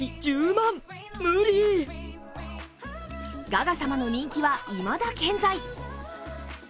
ガガ様の人気はいまだ健在。